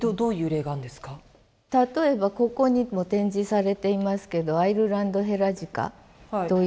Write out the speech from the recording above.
例えばここにも展示されていますけどアイルランドヘラジカという動物のものすごい角。